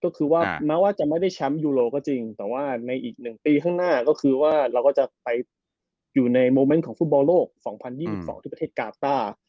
ก็คือว่าแม้ว่าจะไม่ได้แชมป์ยูโรก็จริงแต่ว่าในอีก๑ปีข้างหน้าก็คือว่าเราก็จะไปอยู่ในโมเมนต์ของฟุตบอลโลก๒๐๒๒ที่ประเทศกาต้า